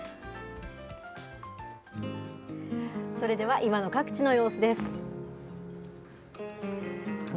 それでは今の各地の様子です。